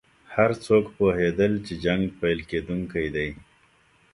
هر څوک پوهېدل چې جنګ پیل کېدونکی دی.